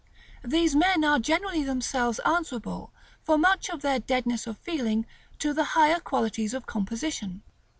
These men are generally themselves answerable for much of their deadness of feeling to the higher qualities of composition.